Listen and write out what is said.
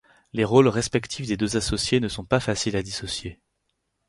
Les rôles respectifs des deux associés ne sont pas faciles à dissocier.